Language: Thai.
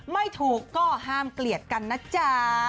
ไม่ถูกก็ห้ามเกลียดกันนะจ๊ะ